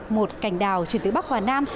một cảnh đào chuyển từ bắc vào nam